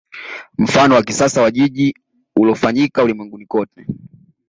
Mfano wa kisasa wa jiji uliofanyika ulimwenguni kote